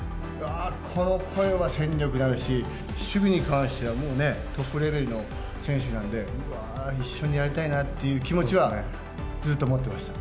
ああ、この声は戦力になるし、守備に関してはもうね、トップレベルの選手なんで、うわぁ、一緒にやりたいなっていう気持ちはずっと持ってました。